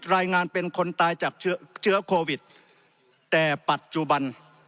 รายงานเป็นคนตายจากเชื้อโควิดแต่ปัจจุบัน